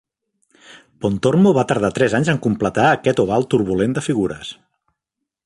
Pontormo va tardar tres anys en completar aquest oval turbulent de figures.